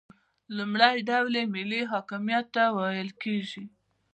لومړی ډول یې ملي حاکمیت ته ویل کیږي.